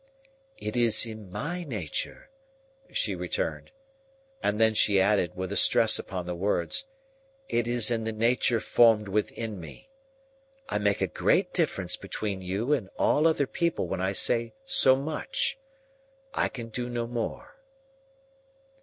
"It is in my nature," she returned. And then she added, with a stress upon the words, "It is in the nature formed within me. I make a great difference between you and all other people when I say so much. I can do no more."